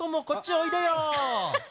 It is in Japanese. おいでよ。